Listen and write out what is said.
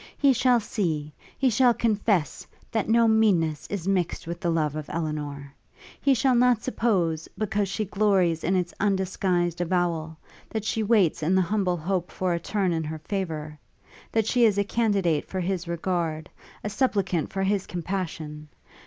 He shall see, he shall confess, that no meanness is mixt with the love of Elinor. He shall not suppose, because she glories in its undisguised avowal, that she waits in humble hope for a turn in her favour; that she is a candidate for his regard; a supplicant for his compassion!